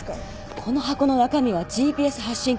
この箱の中身はＧＰＳ発信器。